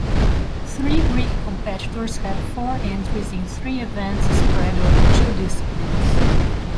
Three Greek competitors had four entries in three events spread over two disciplines.